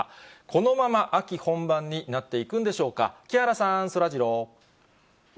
このまま秋本番になっていくんでしょうか、木原さん、そらジロー。